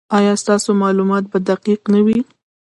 ایا ستاسو معلومات به دقیق نه وي؟